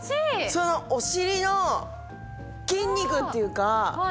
そのお尻の筋肉っていうか痛すぎず。